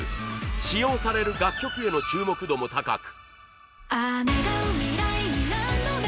使用される楽曲への注目度も高く。